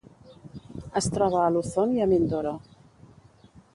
Es troba a Luzon i a Mindoro.